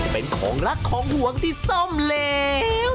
เป็นของรักของห่วงที่ซ่อมแล้ว